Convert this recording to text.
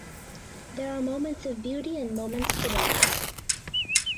There are moments of beauty and moments to dance.